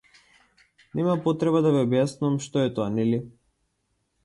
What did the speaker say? Нема потреба да ви објаснувам што е тоа, нели?